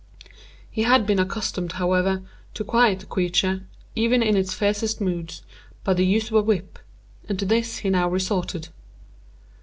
He had been accustomed, however, to quiet the creature, even in its fiercest moods, by the use of a whip, and to this he now resorted.